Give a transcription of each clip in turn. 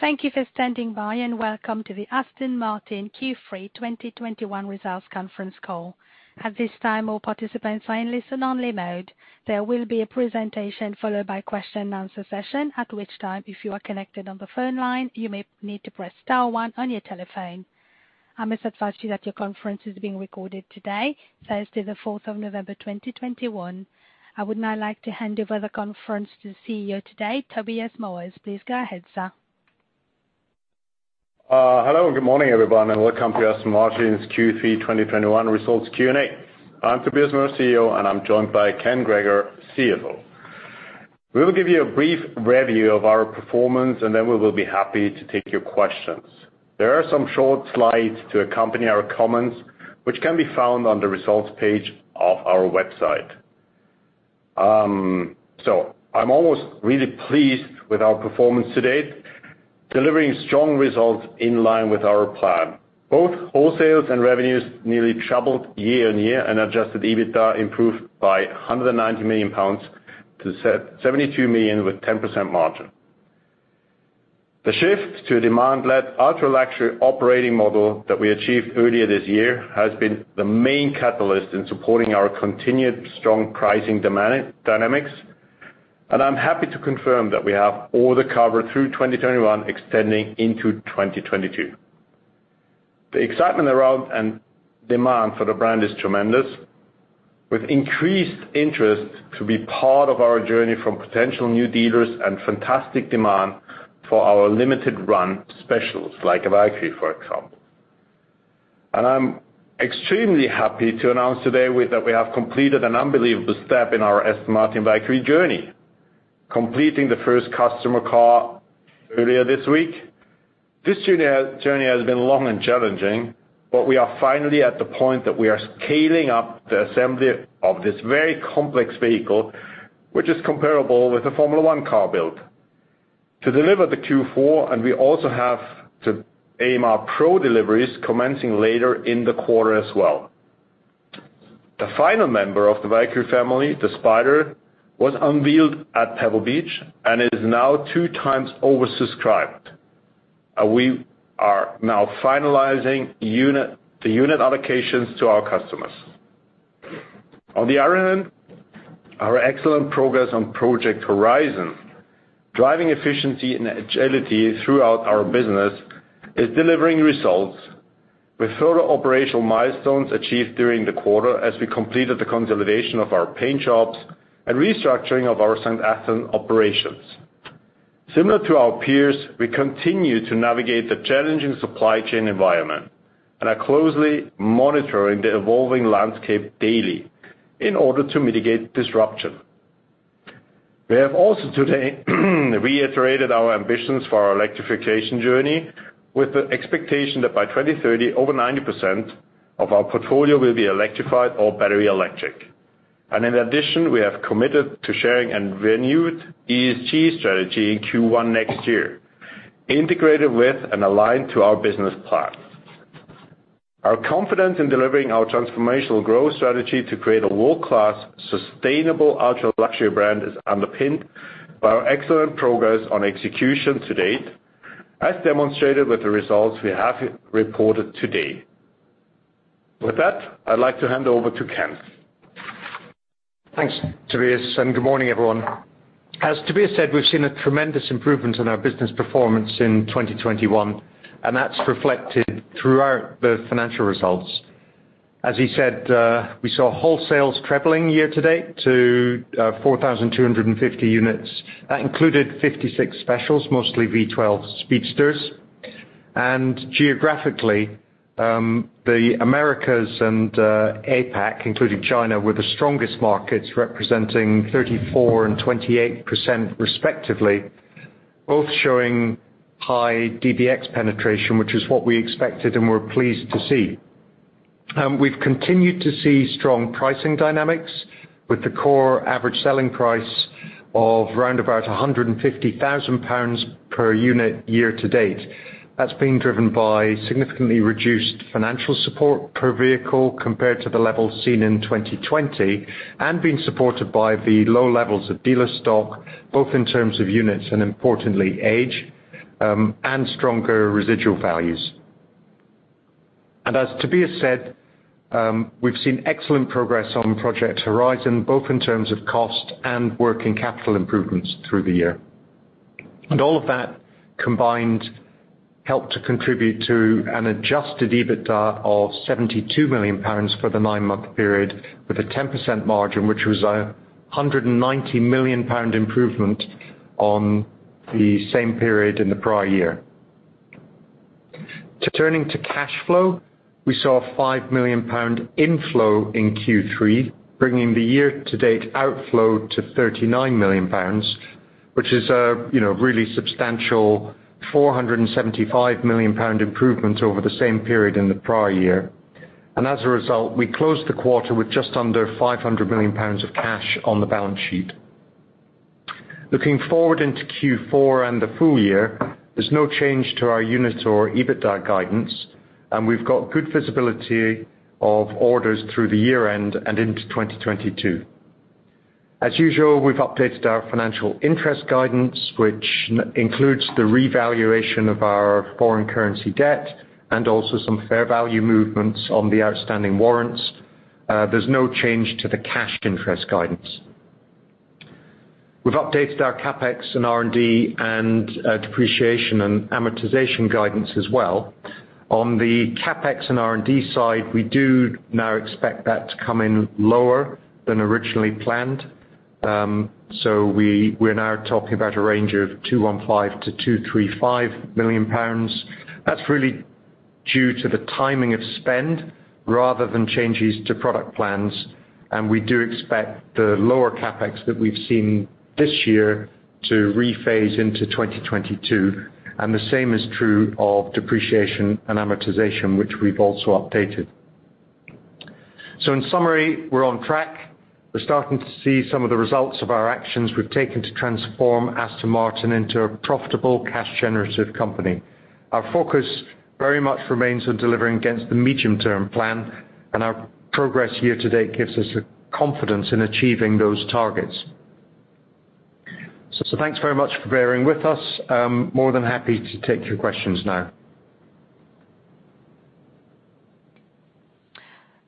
Thank you for standing by, and welcome to the Aston Martin Q3 2021 results conference call. At this time, all participants are in listen-only mode. There will be a presentation, followed by a question and answer session, at which time, if you are connected on the phone line, you may need to press star one on your telephone. I must advise you that your conference is being recorded today, Thursday, the 4th of November, 2021. I would now like to hand over the conference to the CEO today, Tobias Moers. Please go ahead, sir. Hello, and good morning, everyone, and welcome to Aston Martin's Q3 2021 results Q&A. I'm Tobias Moers, CEO, and I'm joined by Ken Gregor, CFO. We will give you a brief review of our performance, and then we will be happy to take your questions. There are some short slides to accompany our comments, which can be found on the results page of our website. I'm almost really pleased with our performance to date, delivering strong results in line with our plan. Both wholesales and revenues nearly tripled year-on-year, and adjusted EBITDA improved by 190 million pounds to 72 million with 10% margin. The shift to a demand-led ultra-luxury operating model that we achieved earlier this year has been the main catalyst in supporting our continued strong pricing dynamics, and I'm happy to confirm that we have all the cover through 2021 extending into 2022. The excitement around and demand for the brand is tremendous, with increased interest to be part of our journey from potential new dealers and fantastic demand for our limited run specials like Valkyrie, for example. I'm extremely happy to announce today that we have completed an unbelievable step in our Aston Martin Valkyrie journey, completing the first customer car earlier this week. This journey has been long and challenging, but we are finally at the point that we are scaling up the assembly of this very complex vehicle, which is comparable with a Formula One car build. To deliver the Q4, we also have to AMR Pro deliveries commencing later in the quarter as well. The final member of the Valkyrie family, the Spider, was unveiled at Pebble Beach and is now two times oversubscribed. We are now finalizing the unit allocations to our customers. On the other hand, our excellent progress on Project Horizon, driving efficiency and agility throughout our business, is delivering results with further operational milestones achieved during the quarter as we completed the consolidation of our paint shop and restructuring of our St. Athan operations. Similar to our peers, we continue to navigate the challenging supply chain environment and are closely monitoring the evolving landscape daily in order to mitigate disruption. We have also today reiterated our ambitions for our electrification journey with the expectation that by 2030, over 90% of our portfolio will be electrified or battery electric. In addition, we have committed to sharing a renewed ESG strategy in Q1 next year, integrated with and aligned to our business plan. Our confidence in delivering our transformational growth strategy to create a world-class, sustainable ultra-luxury brand is underpinned by our excellent progress on execution to date, as demonstrated with the results we have reported today. With that, I'd like to hand over to Ken. Thanks, Tobias, and good morning, everyone. As Tobias said, we've seen a tremendous improvement in our business performance in 2021, and that's reflected throughout the financial results. As he said, we saw wholesales trebling year-to-date to 4,250 units. That included 56 specials, mostly V12 Speedsters. Geographically, the Americas and APAC, including China, were the strongest markets representing 34% and 28% respectively, both showing high DBX penetration, which is what we expected and we're pleased to see. We've continued to see strong pricing dynamics with the core average selling price of round about 150,000 pounds per unit year-to-date. That's been driven by significantly reduced financial support per vehicle compared to the level seen in 2020, and being supported by the low levels of dealer stock, both in terms of units and importantly age, and stronger residual values. As Tobias said, we've seen excellent progress on Project Horizon, both in terms of cost and working capital improvements through the year. All of that combined helped to contribute to an adjusted EBITDA of 72 million pounds for the nine-month period with a 10% margin, which was a 190 million pound improvement on the same period in the prior year. Turning to cash flow, we saw a 5 million pound inflow in Q3, bringing the year-to-date outflow to 39 million pounds, which is a, you know, really substantial 475 million pound improvement over the same period in the prior year. As a result, we closed the quarter with just under 500 million pounds of cash on the balance sheet. Looking forward into Q4 and the full year, there's no change to our unit or EBITDA guidance. We've got good visibility of orders through the year-end and into 2022. As usual, we've updated our financial interest guidance, which includes the revaluation of our foreign currency debt and also some fair value movements on the outstanding warrants. There's no change to the cash interest guidance. We've updated our CapEx and R&D and depreciation and amortization guidance as well. On the CapEx and R&D side, we do now expect that to come in lower than originally planned. We're now talking about a range of 215 million-235 million pounds. That's really due to the timing of spend rather than changes to product plans, and we do expect the lower CapEx that we've seen this year to re-phase into 2022, and the same is true of depreciation and amortization, which we've also updated. In summary, we're on track. We're starting to see some of the results of our actions we've taken to transform Aston Martin into a profitable cash generative company. Our focus very much remains on delivering against the medium-term plan, and our progress year-to-date gives us the confidence in achieving those targets. Thanks very much for bearing with us. More than happy to take your questions now.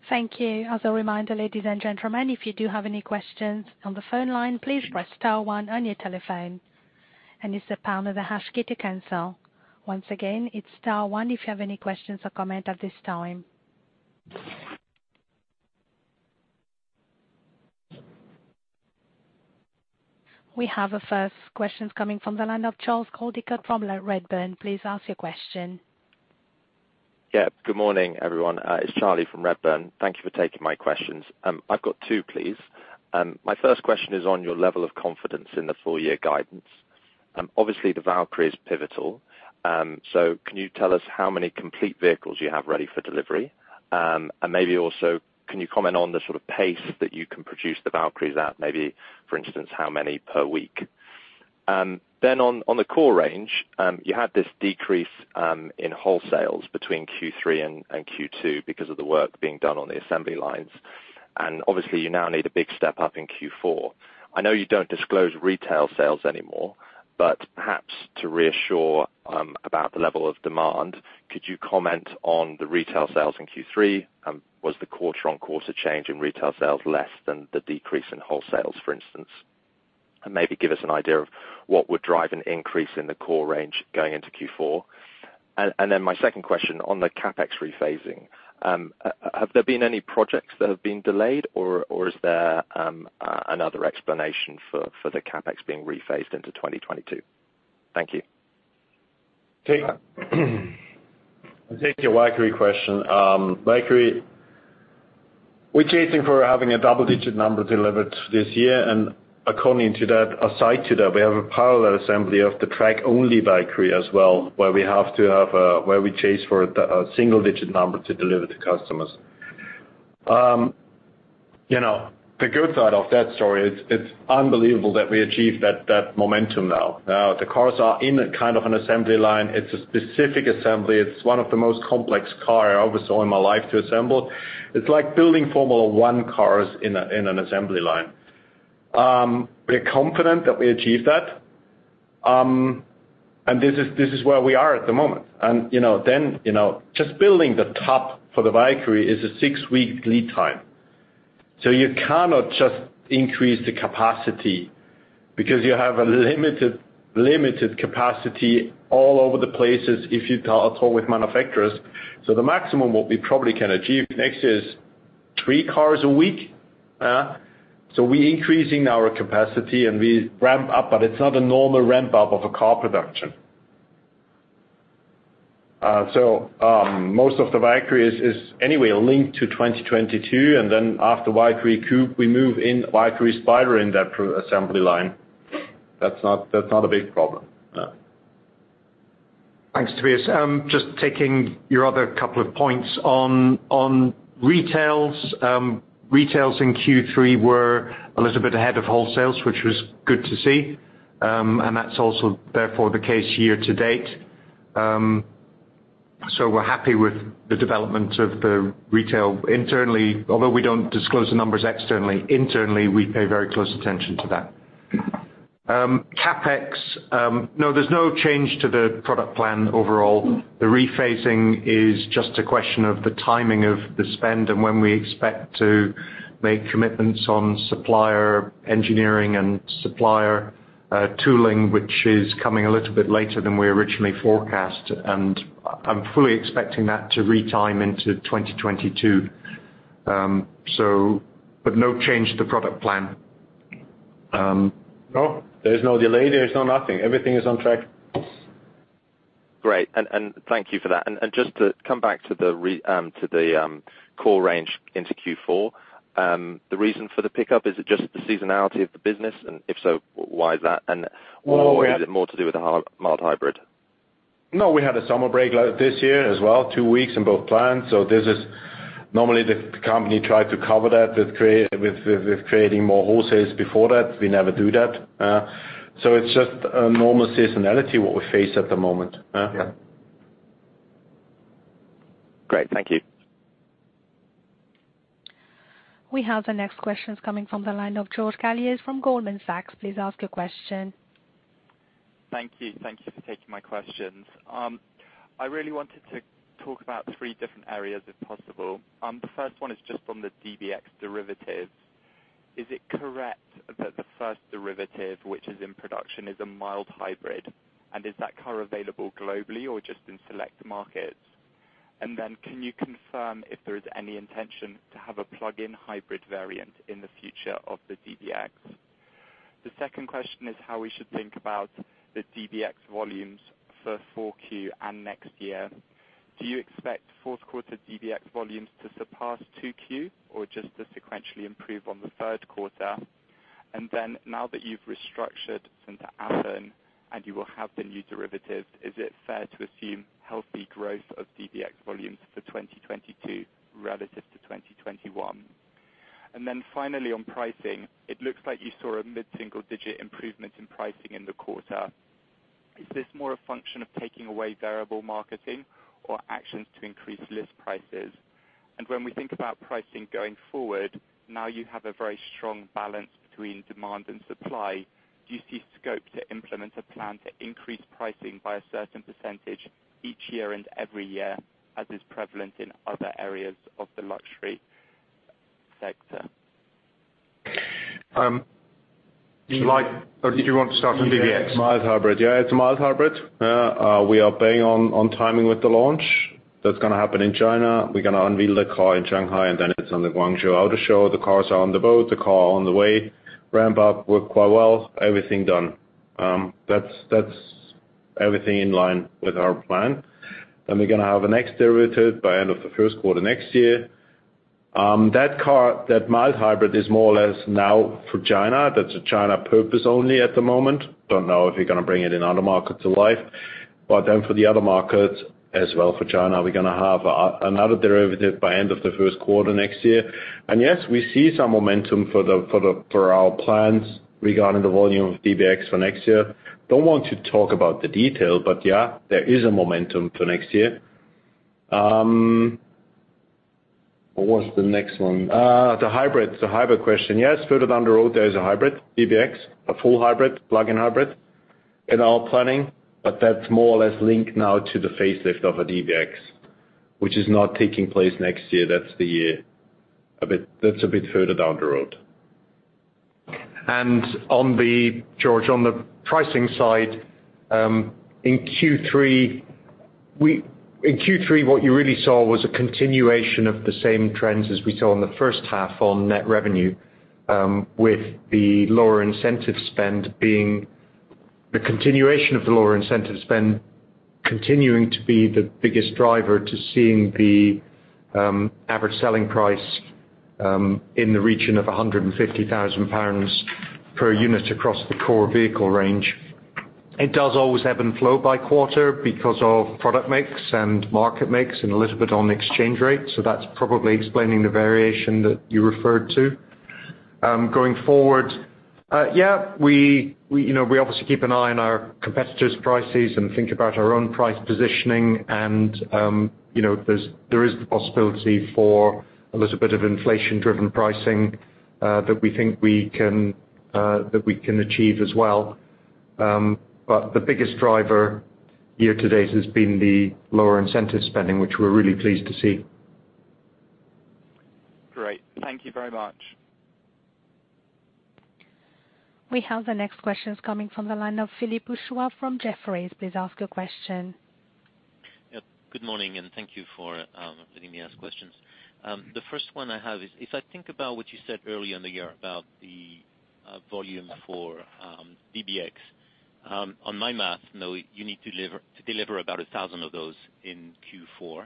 Thank you. As a reminder, ladies and gentlemen, if you do have any questions on the phone line, please press star one on your telephone and it's the pound or the hash key to cancel. Once again, it's star one if you have any questions or comment at this time. We have a first questions coming from the line of Charles Coldicott from Redburn. Please ask your question. Yeah. Good morning, everyone. It's Charlie from Redburn. Thank you for taking my questions. I've got two, please. My first question is on your level of confidence in the full year guidance. Obviously the Valkyrie is pivotal. So can you tell us how many complete vehicles you have ready for delivery? And maybe also can you comment on the sort of pace that you can produce the Valkyries at, maybe for instance, how many per week? Then on the core range, you had this decrease in wholesales between Q3 and Q2 because of the work being done on the assembly lines. Obviously you now need a big step up in Q4. I know you don't disclose retail sales anymore, but perhaps to reassure about the level of demand, could you comment on the retail sales in Q3? Was the quarter-on-quarter change in retail sales less than the decrease in wholesales, for instance? Maybe give us an idea of what would drive an increase in the core range going into Q4. Then my second question on the CapEx rephasing: have there been any projects that have been delayed or is there another explanation for the CapEx being rephased into 2022? Thank you. I'll take your Valkyrie question. Valkyrie, we're chasing for having a double-digit number delivered this year. In addition to that, we have a parallel assembly of the track-only Valkyrie as well, where we chase for a single digit number to deliver to customers. You know, the good side of that story is it's unbelievable that we achieved that momentum now. The cars are in kind of an assembly line. It's a specific assembly. It's one of the most complex car I ever saw in my life to assemble. It's like building Formula One cars in an assembly line. We're confident that we achieved that. This is where we are at the moment. You know, then, you know, just building the top for the Valkyrie is a six-week lead time. You cannot just increase the capacity because you have a limited capacity all over the places if you talk with manufacturers. The maximum what we probably can achieve next is three cars a week. We increasing our capacity and we ramp up, but it's not a normal ramp up of a car production. Most of the Valkyrie is anyway linked to 2022, and then after Valkyrie Coupe, we move in Valkyrie Spider in that assembly line. That's not a big problem. No. Thanks, Tobias. Just taking your other couple of points. On retails in Q3 were a little bit ahead of wholesales, which was good to see. That's also therefore the case year to date. We're happy with the development of the retail internally. Although we don't disclose the numbers externally, internally, we pay very close attention to that. CapEx, no, there's no change to the product plan overall. The rephasing is just a question of the timing of the spend and when we expect to make commitments on supplier engineering and supplier tooling, which is coming a little bit later than we originally forecast. I'm fully expecting that to retime into 2022. But no change to product plan. No, there is no delay, there is no nothing. Everything is on track. Great. Thank you for that. Just to come back to the core range into Q4, the reason for the pickup, is it just the seasonality of the business? If so, why is that? Well, we had. Is it more to do with the mild hybrid? No, we had a summer break like this year as well, two weeks in both plants, so this is normal. Normally, the company tried to cover that with creating more wholesales before that. We never do that. So it's just a normal seasonality that we face at the moment. Yeah. Great. Thank you. We have the next questions coming from the line of George Galliers from Goldman Sachs. Please ask your question. Thank you. Thank you for taking my questions. I really wanted to talk about three different areas, if possible. The first one is just from the DBX derivatives. Is it correct that the first derivative, which is in production, is a mild hybrid? Is that car available globally or just in select markets? Then can you confirm if there is any intention to have a plug-in hybrid variant in the future of the DBX? The second question is how we should think about the DBX volumes for 4Q and next year. Do you expect fourth quarter DBX volumes to surpass 2Q or just to sequentially improve on the third quarter? Now that you've restructured St. Athan and you will have the new derivative, is it fair to assume healthy growth of DBX volumes for 2022 relative to 2021? Finally, on pricing, it looks like you saw a mid-single-digit improvement in pricing in the quarter. Is this more a function of taking away variable marketing or actions to increase list prices? When we think about pricing going forward, now you have a very strong balance between demand and supply. Do you see scope to implement a plan to increase pricing by a certain percentage each year and every year, as is prevalent in other areas of the luxury sector? Did you want to start on DBX? Mild hybrid. Yeah, it's a mild hybrid. We are betting on timing with the launch. That's gonna happen in China. We're gonna unveil the car in Shanghai and then it's on the Guangzhou Auto Show. The cars are on the boat, the car on the way, ramp up work quite well, everything done. That's everything in line with our plan. We're gonna have a next derivative by end of the first quarter next year. That car, that mild hybrid is more or less now for China. That's a China purpose only at the moment. Don't know if we're gonna bring it in other markets to life. For the other markets, as well for China, we're gonna have another derivative by end of the first quarter next year. Yes, we see some momentum for our plans regarding the volume of DBX for next year. Don't want to talk about the detail, but yeah, there is a momentum for next year. What was the next one? The hybrid question. Yes, further down the road, there is a hybrid DBX, a full hybrid, plug-in hybrid in our planning, but that's more or less linked now to the facelift of a DBX, which is not taking place next year. That's a bit further down the road. George, on the pricing side, in Q3, what you really saw was a continuation of the same trends as we saw in the first half on net revenue, with the lower incentive spend continuing to be the biggest driver to seeing the average selling price in the region of 150,000 pounds per unit across the core vehicle range. It does always ebb and flow by quarter because of product mix and market mix and a little bit on exchange rate. That's probably explaining the variation that you referred to. Going forward, yeah, we you know we obviously keep an eye on our competitors' prices and think about our own price positioning and, you know, there is the possibility for a little bit of inflation-driven pricing, that we think we can, that we can achieve as well. The biggest driver year to date has been the lower incentive spending, which we're really pleased to see. Great. Thank you very much. We have the next questions coming from the line of Philippe Houchois from Jefferies. Please ask your question. Yep. Good morning, and thank you for letting me ask questions. The first one I have is if I think about what you said earlier in the year about the volume for DBX, on my math, you know, you need to deliver about 1,000 of those in Q4.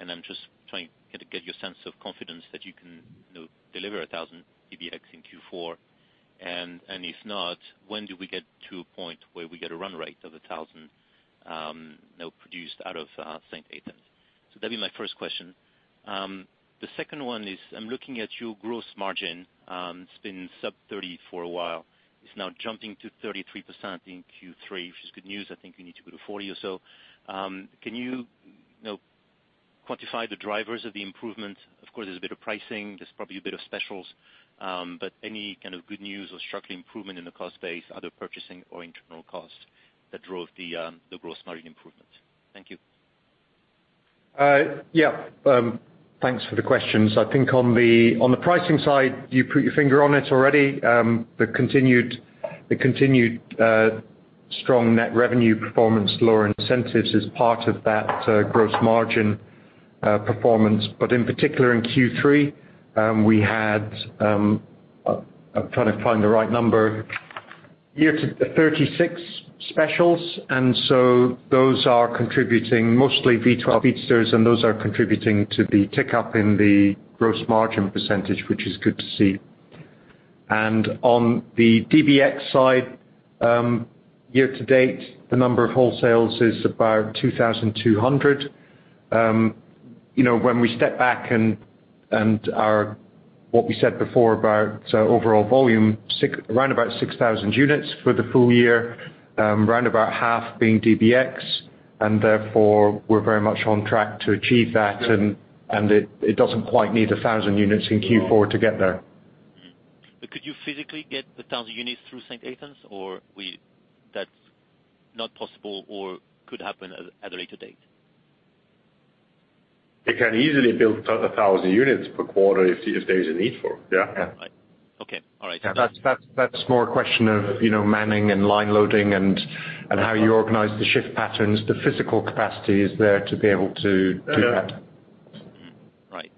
I'm just trying to get a sense of confidence that you can, you know, deliver 1000 DBX in Q4. And if not, when do we get to a point where we get a run rate of 1,000, you know, produced out of St. Athan? That'd be my first question. The second one is, I'm looking at your gross margin. It's been sub 30 for a while. It's now jumping to 33% in Q3, which is good news. I think you need to go to 40 or so. Can you know, quantify the drivers of the improvement? Of course, there's a bit of pricing, there's probably a bit of specials, but any kind of good news or structural improvement in the cost base, either purchasing or internal costs that drove the gross margin improvement? Thank you. Thanks for the questions. I think on the pricing side, you put your finger on it already. The continued strong net revenue performance, lower incentives is part of that, gross margin performance. In particular in Q3, we had, I'm trying to find the right number. Year to date, 36 specials, and those are contributing mostly V12 Speedster, and those are contributing to the tick up in the gross margin percentage, which is good to see. On the DBX side, year to date, the number of wholesales is about 2,200. You know, when we step back and what we said before about overall volume, round about 6,000 units for the full year, round about half being DBX, and therefore we're very much on track to achieve that. It doesn't quite need 1,000 units in Q4 to get there. Could you physically get 1,000 units through St. Athan or that's not possible or could happen at a later date? They can easily build 1,000 units per quarter if there is a need for yeah. Right. Okay. All right. That's more a question of, you know, manning and line loading and how you organize the shift patterns. The physical capacity is there to be able to do that. Right.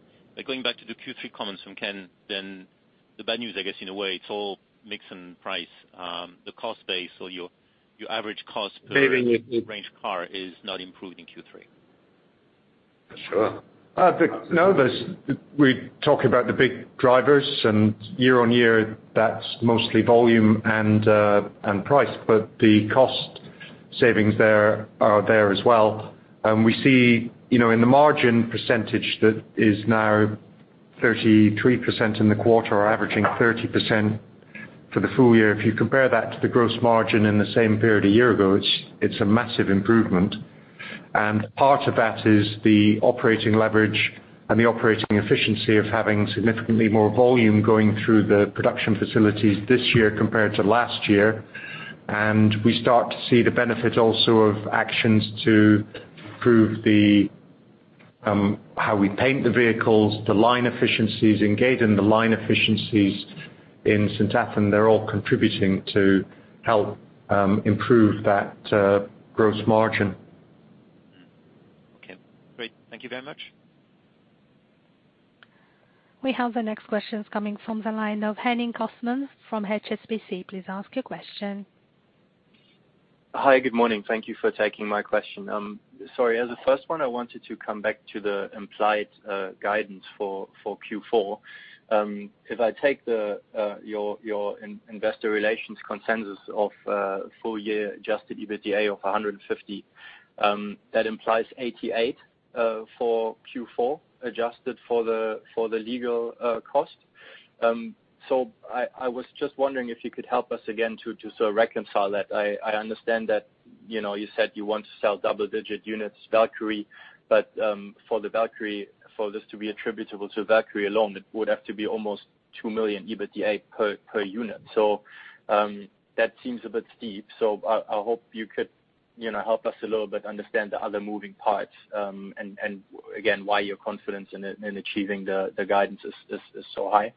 Going back to the Q3 comments from Ken, then the bad news, I guess, in a way, it's all mix and price, the cost base or your average cost per range car is not improved in Q3. Sure. We talk about the big drivers, and year-on-year, that's mostly volume and price. The cost savings there are there as well. We see, you know, in the margin percentage that is now 33% in the quarter, or averaging 30% for the full year, if you compare that to the gross margin in the same period a year ago, it's a massive improvement. Part of that is the operating leverage and the operating efficiency of having significantly more volume going through the production facilities this year compared to last year. We start to see the benefit also of actions to improve how we paint the vehicles, the line efficiencies in St. Athan. They're all contributing to help improve that gross margin. Okay, great. Thank you very much. We have the next questions coming from the line of Henning Cosman from HSBC. Please ask your question. Hi, good morning. Thank you for taking my question. Sorry. As a first one, I wanted to come back to the implied guidance for Q4. If I take your investor relations consensus of full year adjusted EBITDA of 150, that implies 88 for Q4, adjusted for the legal cost. I was just wondering if you could help us again to sort of reconcile that. I understand that, you know, you said you want to sell double digit units Valkyrie, but for the Valkyrie, for this to be attributable to Valkyrie alone, it would have to be almost 2 million EBITDA per unit. That seems a bit steep. I hope you could, you know, help us a little bit understand the other moving parts and again, why your confidence in achieving the guidance is so high.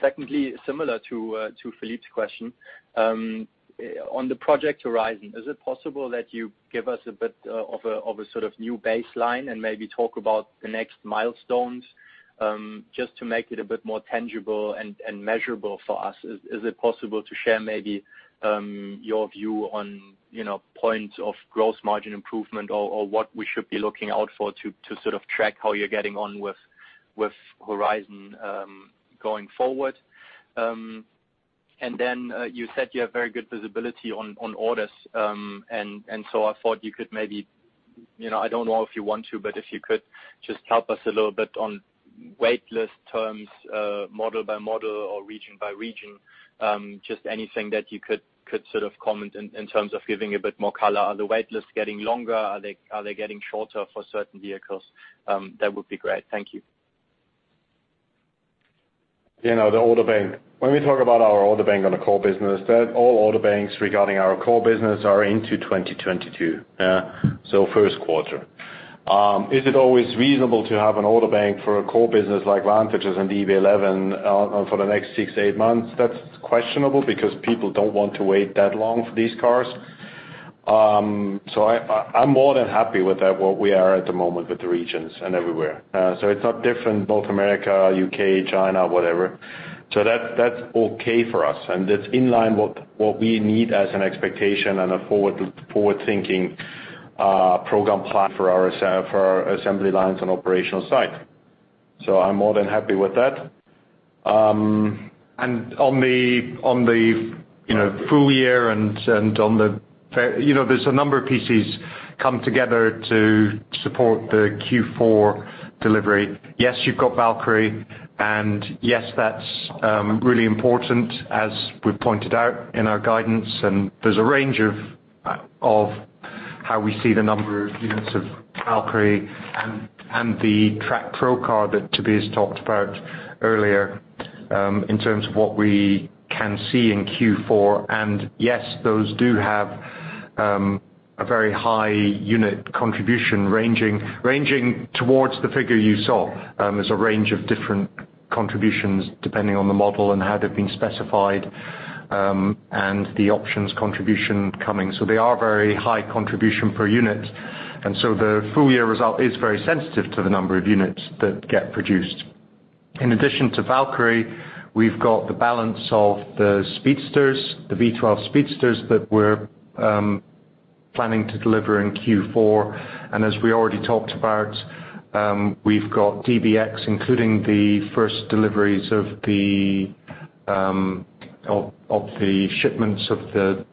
Secondly, similar to Philippe's question, on the Project Horizon, is it possible that you give us a bit of a sort of new baseline and maybe talk about the next milestones, just to make it a bit more tangible and measurable for us. Is it possible to share maybe your view on, you know, points of gross margin improvement or what we should be looking out for to sort of track how you're getting on with Project Horizon going forward? You said you have very good visibility on orders, and so I thought you could maybe, you know, I don't know if you want to, but if you could just help us a little bit on wait list terms, model by model or region by region, just anything that you could sort of comment in terms of giving a bit more color. Are the wait lists getting longer? Are they getting shorter for certain vehicles? That would be great. Thank you. You know, the order bank. When we talk about our order bank on the core business, that all order banks regarding our core business are into 2022, yeah, so first quarter. Is it always reasonable to have an order bank for a core business like Vantage and DB11 for the next 6-8 months? That's questionable because people don't want to wait that long for these cars. I'm more than happy with that, where we are at the moment with the regions and everywhere. It's not different, North America, U.K., China, whatever. That, that's okay for us, and it's in line what we need as an expectation and a forward-thinking program plan for our assembly lines on operational site. I'm more than happy with that. You know, there's a number of pieces come together to support the Q4 delivery. Yes, you've got Valkyrie, and yes, that's really important, as we've pointed out in our guidance. There's a range of how we see the number of units of Valkyrie and the Track Pro car that Tobias talked about earlier, in terms of what we can see in Q4. Yes, those do have a very high unit contribution ranging towards the figure you saw. There's a range of different contributions depending on the model and how they've been specified, and the options contribution coming. They are very high contribution per unit, and the full year result is very sensitive to the number of units that get produced. In addition to Valkyrie, we've got the balance of the Speedsters, the V12 Speedsters that we're planning to deliver in Q4. As we already talked about, we've got DBX, including the first deliveries of the shipments of the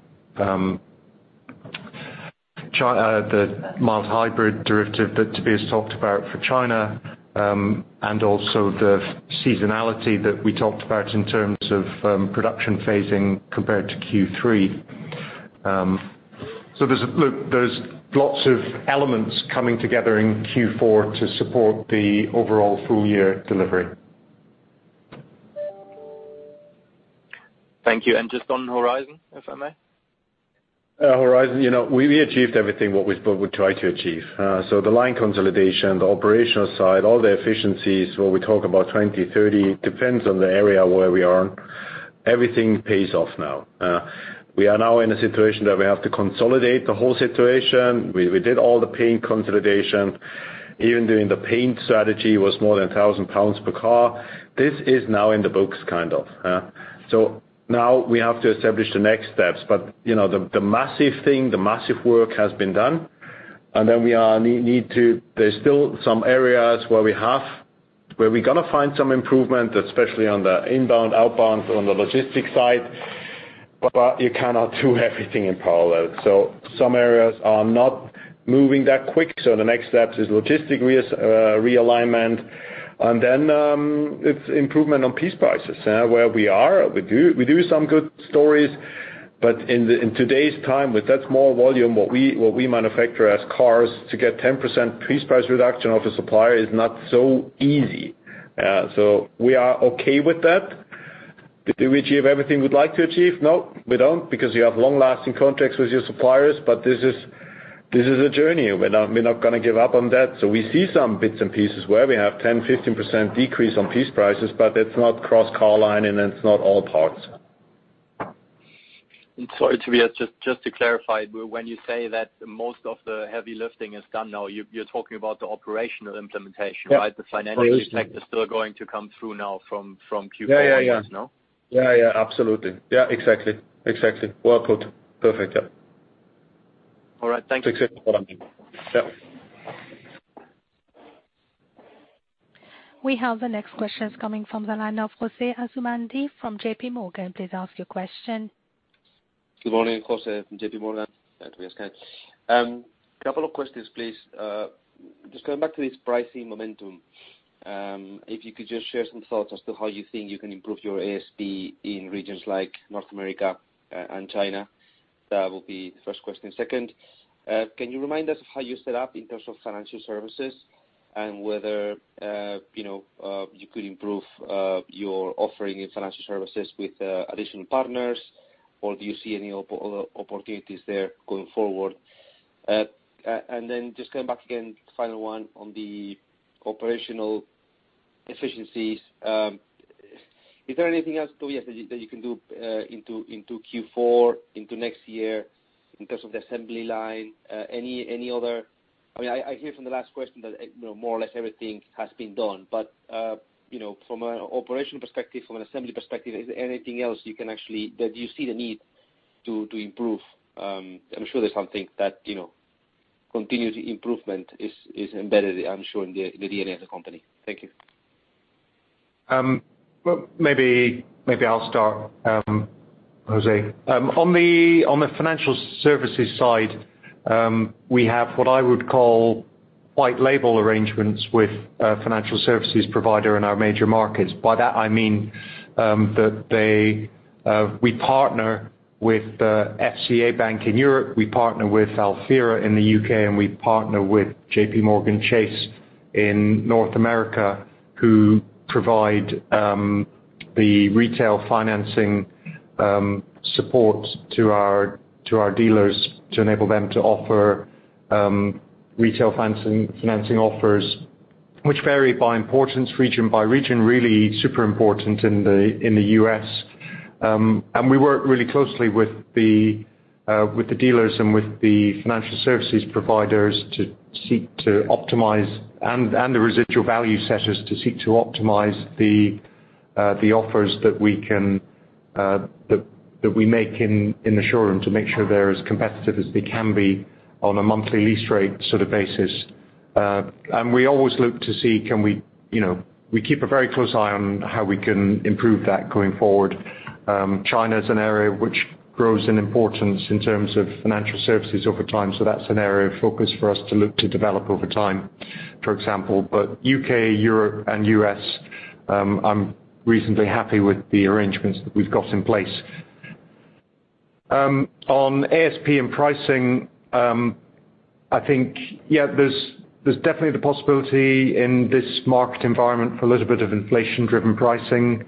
mild hybrid derivative that Tobias talked about for China, and also the seasonality that we talked about in terms of production phasing compared to Q3. Look, there's lots of elements coming together in Q4 to support the overall full-year delivery. Thank you. Just on Horizon, if I may. Project Horizon, you know, we achieved everything what we tried to achieve. The line consolidation, the operational side, all the efficiencies where we talk about 2030 depends on the area where we are. Everything pays off now. We are now in a situation that we have to consolidate the whole situation. We did all the paint consolidation. Even doing the paint strategy was more than 1,000 pounds per car. This is now in the books kind of. Now we have to establish the next steps. You know, the massive thing, the massive work has been done. We need to. There's still some areas where we gonna find some improvement, especially on the inbound, outbound on the logistics side, but you cannot do everything in parallel. Some areas are not moving that quick. The next step is logistic realignment, and then it's improvement on piece prices where we are. We do some good stories, but in today's time, with that small volume, what we manufacture as cars to get 10% piece price reduction of the supplier is not so easy. We are okay with that. Did we achieve everything we'd like to achieve? No, we don't, because you have long-lasting contracts with your suppliers, but this is a journey. We're not gonna give up on that. We see some bits and pieces where we have 10%-15% decrease on piece prices, but it's not cross-car line, and it's not all parts. Sorry, Tobias, just to clarify, when you say that most of the heavy lifting is done now, you're talking about the operational implementation, right? Yes. The financial impact is still going to come through now from Q4. Yeah, yeah as well? Yeah, absolutely. Yeah, exactly. Well put. Perfect. Yeah. All right. Thank you. Exactly what I mean. Yeah. We have the next questions coming from the line of José Asumendi from JPMorgan. Please ask your question. Good morning. José Asumendi from JPMorgan. Tobias Käld. Couple of questions, please. Just going back to this pricing momentum, if you could just share some thoughts as to how you think you can improve your ASP in regions like North America and China. That will be the first question. Second, can you remind us of how you're set up in terms of financial services and whether you know you could improve your offering in financial services with additional partners, or do you see any opportunities there going forward? Then just going back again, final one on the operational efficiencies. Is there anything else, Tobias, that you can do into Q4, into next year in terms of the assembly line? Any other. I mean, I hear from the last question that, you know, more or less everything has been done. But, you know, from an operational perspective, from an assembly perspective, is there anything else you can actually that you see the need to improve? I'm sure there's something that, you know, continuous improvement is embedded, I'm sure, in the DNA of the company. Thank you. Well, maybe I'll start, Jose. On the financial services side, we have what I would call white label arrangements with a financial services provider in our major markets. By that I mean, we partner with FCA Bank in Europe, we partner with Alphera in the U.K., and we partner with JPMorgan Chase in North America who provide the retail financing support to our dealers to enable them to offer retail financing offers which vary in importance region by region, really super important in the U.S. We work really closely with the dealers and with the financial services providers to seek to optimize and the residual value setters to seek to optimize the offers that we can that we make in the showroom to make sure they're as competitive as they can be on a monthly lease rate sort of basis. We always look to see can we, you know, we keep a very close eye on how we can improve that going forward. China is an area which grows in importance in terms of financial services over time, so that's an area of focus for us to look to develop over time, for example. U.K., Europe, and U.S., I'm reasonably happy with the arrangements that we've got in place. On ASP and pricing, I think, yeah, there's definitely the possibility in this market environment for a little bit of inflation-driven pricing.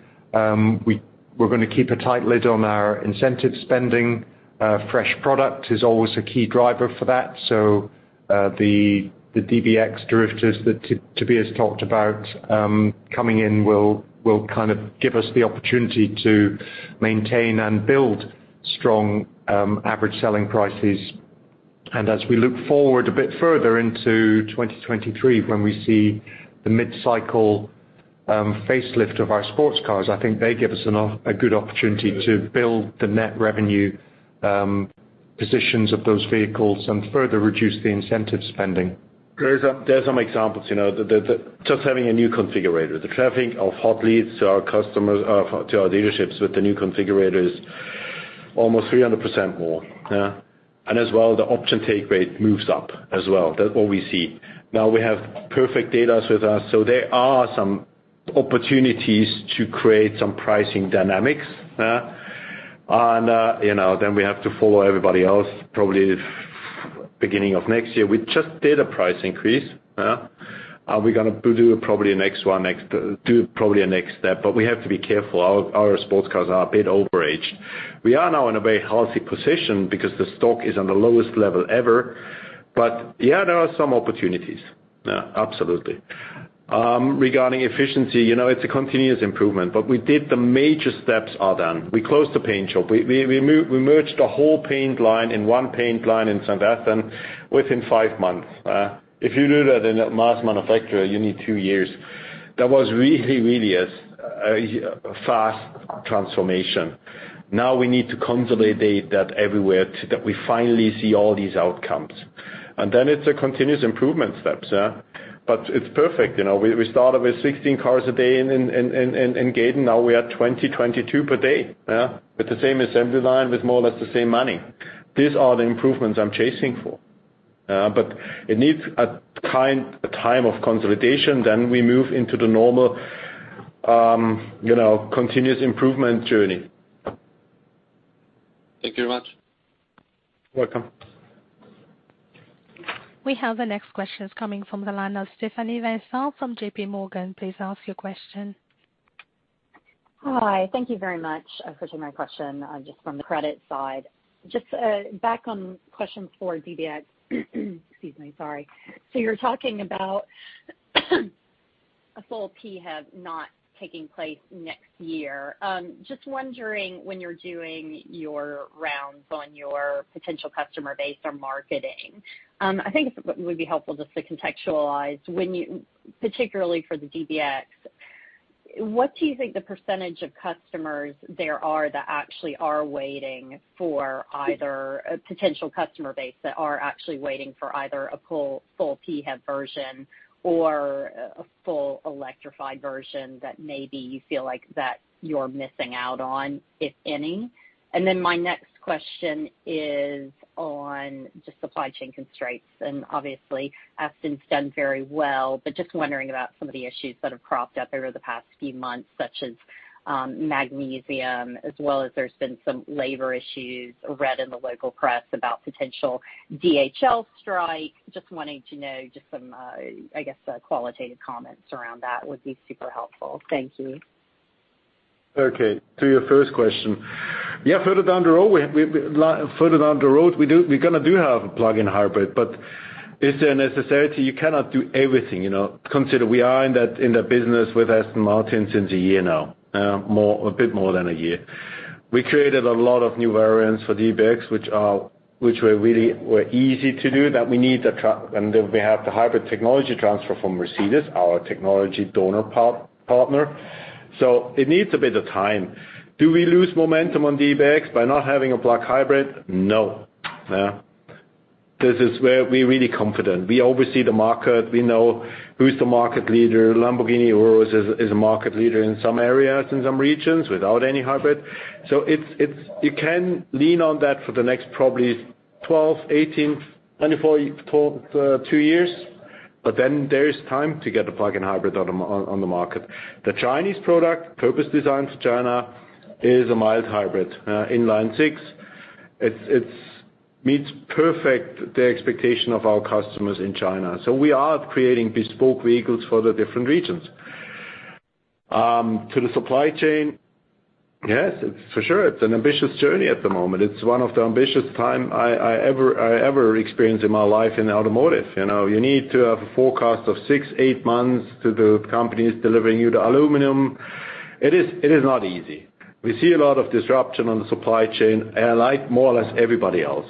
We're gonna keep a tight lid on our incentive spending. Fresh product is always a key driver for that. The DBX derivatives that Tobias talked about coming in will kind of give us the opportunity to maintain and build strong average selling prices. As we look forward a bit further into 2023 when we see the mid-cycle Facelift of our sports cars, I think they give us a good opportunity to build the net revenue positions of those vehicles and further reduce the incentive spending. There's some examples, you know, just having a new configurator, the traffic of hot leads to our customers, to our dealerships with the new configurator is almost 300% more, yeah. As well, the option take rate moves up as well. That's what we see. Now we have perfect data with us, so there are some opportunities to create some pricing dynamics, yeah. You know, then we have to follow everybody else, probably beginning of next year. We just did a price increase, yeah. Are we gonna do probably the next one, do probably a next step, but we have to be careful. Our sports cars are a bit overaged. We are now in a very healthy position because the stock is on the lowest level ever. Yeah, there are some opportunities. Yeah, absolutely. Regarding efficiency, you know, it's a continuous improvement, but we did the major steps are done. We closed the paint shop. We merged the whole paint line into one paint line in St. Athan within five months, yeah. If you do that in a mass manufacturer, you need two years. That was really a fast transformation. Now we need to consolidate that everywhere so that we finally see all these outcomes. Then it's a continuous improvement steps, yeah. But it's perfect, you know. We started with 16 cars a day in Gaydon, now we are 22 per day, yeah, with the same assembly line, with more or less the same money. These are the improvements I'm chasing for. It needs a time of consolidation, then we move into the normal, you know, continuous improvement journey. Thank you very much. Welcome. We have the next questions coming from the line of Stephanie Vincent from JPMorgan. Please ask your question. Hi. Thank you very much for taking my question, just from the credit side. Just back on questions for DBX. Excuse me, sorry. So you're talking about a full PHEV not taking place next year. Just wondering when you're doing your rounds on your potential customer base or marketing, I think it would be helpful just to contextualize, particularly for the DBX, what do you think the percentage of customers there are that actually are waiting for either a full PHEV version or a full electrified version that maybe you feel like that you're missing out on, if any? My next question is on just supply chain constraints, and obviously, Aston's done very well, but just wondering about some of the issues that have cropped up over the past few months, such as magnesium, as well as there's been some labor issues read in the local press about potential DHL strike. Just wanting to know just some, I guess, qualitative comments around that would be super helpful. Thank you. Okay. To your first question, yeah, further down the road, we're gonna have a plug-in hybrid, but it's a necessity. You cannot do everything, you know. Consider we are in that business with Aston Martin since a bit more than a year. We created a lot of new variants for DBX, which were really easy to do, and we have the hybrid technology transfer from Mercedes, our technology donor partner. So it needs a bit of time. Do we lose momentum on DBX by not having a plug hybrid? No. Yeah. This is where we're really confident. We oversee the market. We know who's the market leader. Lamborghini Urus is a market leader in some areas, in some regions without any hybrid. It's you can lean on that for the next probably 12, 18, 24, two years, but then there is time to get a plug-in hybrid on the market. The Chinese product, purpose designed for China, is a mild hybrid, inline-six. It meets perfectly the expectation of our customers in China. We are creating bespoke vehicles for the different regions. To the supply chain, yes, for sure, it's an ambitious journey at the moment. It's one of the most ambitious times I ever experienced in my life in automotive. You know, you need to have a forecast of 6-8 months to the companies delivering you the aluminum. It is not easy. We see a lot of disruption on the supply chain, like more or less everybody else.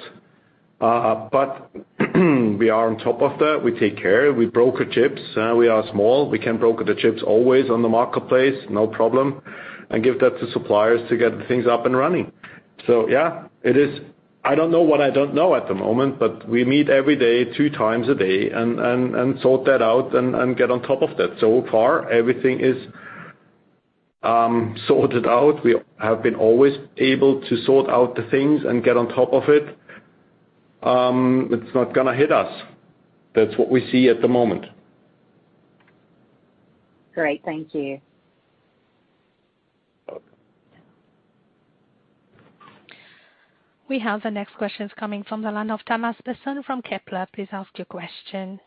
We are on top of that. We take care. We broker chips. We are small. We can broker the chips always on the marketplace, no problem, and give that to suppliers to get things up and running. Yeah, it is. I don't know what I don't know at the moment, but we meet every day, two times a day and sort that out and get on top of that. So far, everything is sorted out. We have been always able to sort out the things and get on top of it. It's not gonna hit us. That's what we see at the moment. Great. Thank you. Okay. We have the next questions coming from the line of Thomas Besson from Kepler. Please ask your question.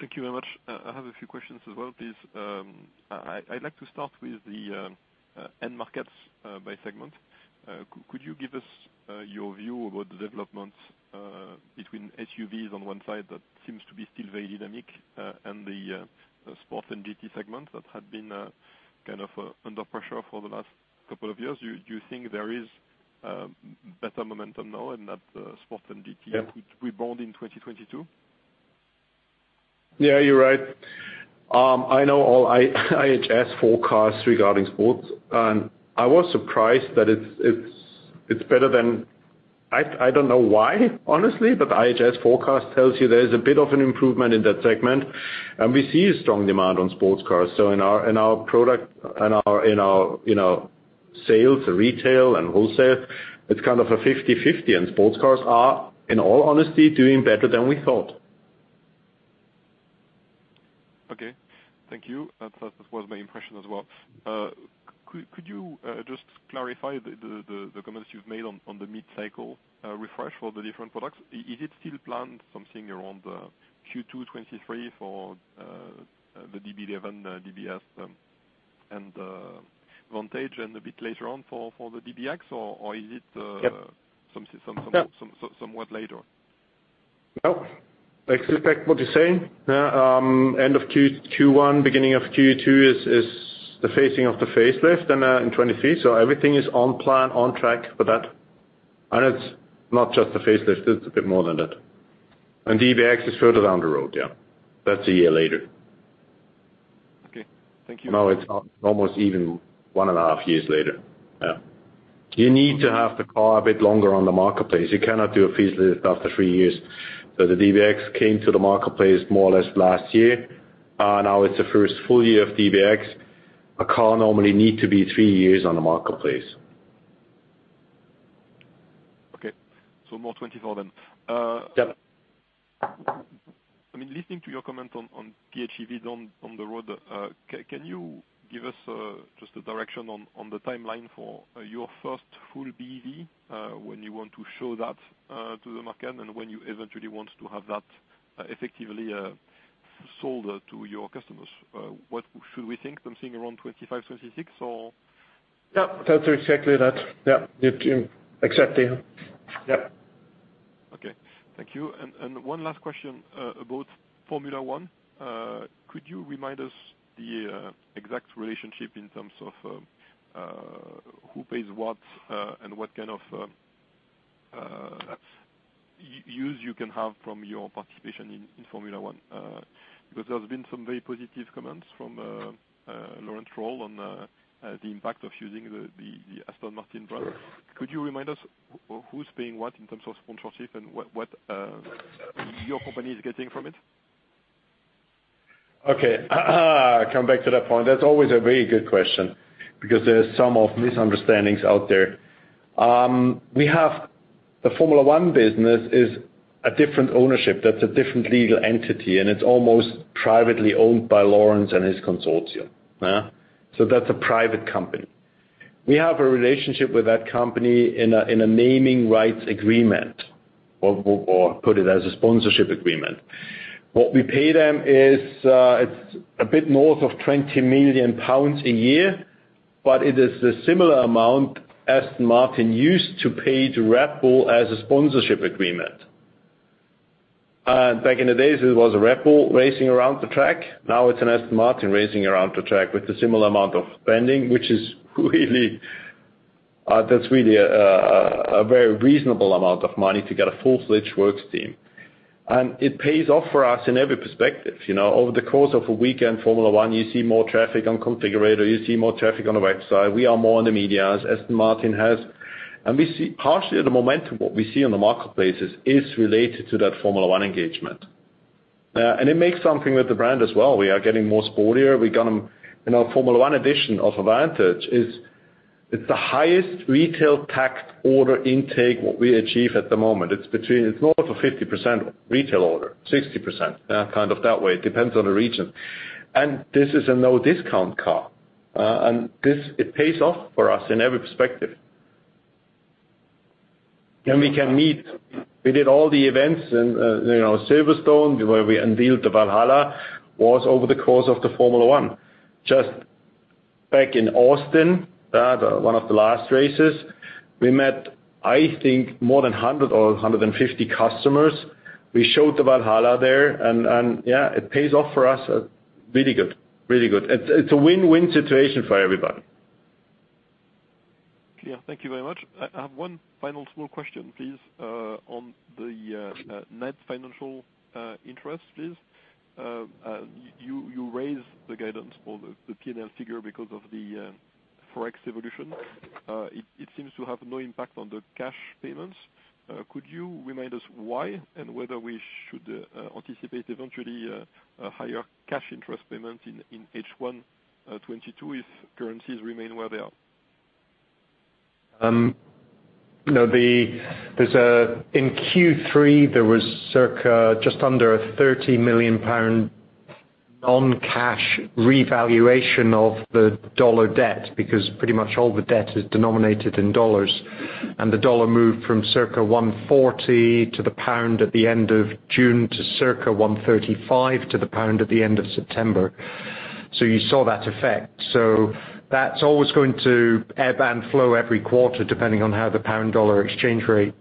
Thank you very much. I have a few questions as well, please. I'd like to start with the end markets by segment. Could you give us your view about the developments between SUVs on one side that seems to be still very dynamic and the sport and GT segment that had been kind of under pressure for the last couple of years? Do you think there is better momentum now and that the sports and GT- Yeah would rebound in 2022. Yeah, you're right. I know all IHS forecast regarding sports, and I was surprised that it's better. I don't know why, honestly, but the IHS forecast tells you there is a bit of an improvement in that segment, and we see a strong demand on sports cars. In our product, you know, sales, retail and wholesale, it's kind of a 50/50, and sports cars are, in all honesty, doing better than we thought. Okay. Thank you. That was my impression as well. Could you just clarify the comments you've made on the mid-cycle refresh for the different products? Is it still planned something around Q2 2023 for the DB11, DBS, and Vantage and a bit later on for the DBX, or is it Yep Somewhat later? No. Exactly what you're saying. Yeah, end of Q1, beginning of Q2 is the phasing of the facelift and in 2023. Everything is on plan, on track for that. It's not just a facelift, it's a bit more than that. DBX is further down the road, yeah. That's a year later. Okay. Thank you. Now it's almost one and a half years later. Yeah. You need to have the car a bit longer on the marketplace. You cannot do a facelift after three years. The DBX came to the marketplace more or less last year. Now it's the first full year of DBX. A car normally need to be three years on the marketplace. Okay. More 2024 then. Yeah. I mean, listening to your comment on PHEVs on the road, can you give us just a direction on the timeline for your first full BEV, when you want to show that to the market and when you eventually want to have that effectively sold to your customers? What should we think? Something around 2025, 2026 or? Yeah. That's exactly that. Yeah. Exactly. Yeah. Okay. Thank you. One last question about Formula One. Could you remind us the exact relationship in terms of who pays what, and what kind of use you can have from your participation in Formula One? Because there's been some very positive comments from Lawrence Stroll on the impact of using the Aston Martin brand. Could you remind us who's paying what in terms of sponsorship and what your company is getting from it? Okay. Come back to that point. That's always a very good question because there are some misunderstandings out there. We have the Formula One business is a different ownership. That's a different legal entity, and it's almost privately owned by Lawrence and his consortium. Yeah. So that's a private company. We have a relationship with that company in a naming rights agreement, or put it as a sponsorship agreement. What we pay them is, it's a bit north of 20 million pounds a year, but it is a similar amount Aston Martin used to pay to Red Bull as a sponsorship agreement. Back in the days, it was a Red Bull Racing around the track. Now it's an Aston Martin racing around the track with a similar amount of spending, which is really a very reasonable amount of money to get a full-fledged works team. It pays off for us in every perspective. You know, over the course of a weekend Formula One, you see more traffic on configurator, you see more traffic on the website. We are more in the media as Aston Martin has. We see partially the momentum, what we see on the marketplace is related to that Formula One engagement. It makes something with the brand as well. We are getting more sportier. Our Formula One edition of the Vantage is the highest retail order intake that we achieve at the moment. It's north of 50% retail order, 60%. Yeah, kind of that way. It depends on the region. This is a no discount car, and it pays off for us in every perspective. We can meet. We did all the events in Silverstone, where we unveiled the Valhalla, was over the course of the Formula One. Just back in Austin, one of the last races, we met, I think, more than 100 or 150 customers. We showed the Valhalla there and yeah, it pays off for us really good. Really good. It's a win-win situation for everybody. Yeah, thank you very much. I have one final small question, please, on the net financial interest, please. You raised the guidance for the P&L figure because of the Forex evolution. It seems to have no impact on the cash payments. Could you remind us why and whether we should anticipate eventually a higher cash interest payment in H1 2022 if currencies remain where they are? You know, there's a, in Q3, there was circa just under 30 million pound non-cash revaluation of the dollar debt, because pretty much all the debt is denominated in dollars. The dollar moved from circa 1.40 to the pound at the end of June to circa 1.35 to the pound at the end of September. You saw that effect. That's always going to ebb and flow every quarter depending on how the pound dollar exchange rate